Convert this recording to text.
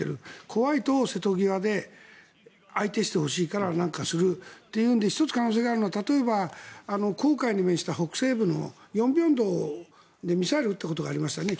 怖いと瀬戸際で相手してほしいから何かするというので１つ可能性があるのは例えば、黄海に面した北西部の延坪島で北がミサイルを撃ったことがありましたね。